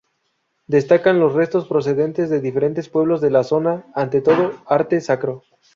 Destacan los restos procedentes de diferentes pueblos de la zona, ante todo, arte sacro.